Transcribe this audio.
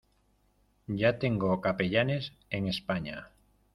ya tengo capellanes en España.